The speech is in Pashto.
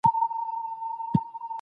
ازادي د جبر څخه غوره ده.